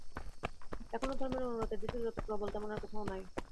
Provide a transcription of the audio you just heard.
এখনও ধর্মের অনুরাগ এদেশে যত প্রবল, তেমন আর কোথাও নাই।